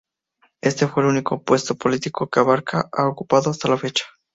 Este fue el único puesto político que Abarca ha ocupado hasta la fecha.